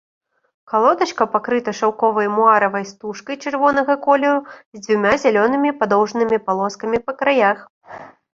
Калодачка пакрыта шаўковай муаравай стужкай чырвонага колеру з дзвюма зялёнымі падоўжнымі палоскамі па краях.